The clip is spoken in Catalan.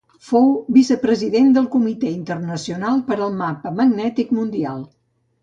Fou vicepresident del Comitè Internacional per al Mapa Magnètic Mundial.